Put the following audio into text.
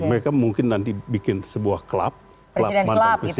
mereka mungkin nanti bikin sebuah club